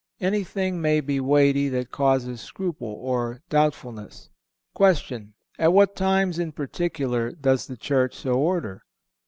Anything may be weighty that causes scruple or doubtfulness. Q. At what times in particular does the Church so order?